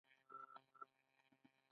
چین بازاري اقتصاد ته مخه کړه.